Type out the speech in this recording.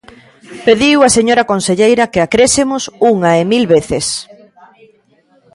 Pediu a señora conselleira que a crésemos unha e mil veces.